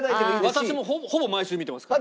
私もほぼ毎週見てますから。